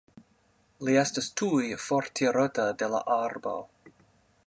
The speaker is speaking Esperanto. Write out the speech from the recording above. Li estas tuj fortirota de la arbo.